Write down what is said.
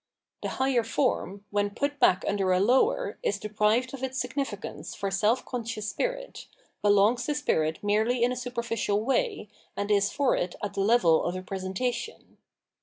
The higher form, when put back imder a lower, is deprived of its significance for self conscious spirit, belongs to spirit merely in a super ficial way, and is for it at the level of a presentation.